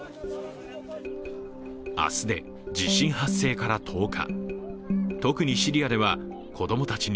明日で地震発生から１０日。